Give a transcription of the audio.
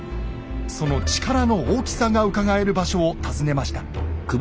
その力の大きさがうかがえる場所を訪ねました。